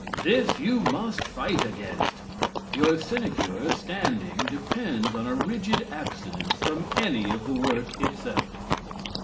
This you must fight against. Your sinecure standing depends on a rigid abstinence from any of the work itself.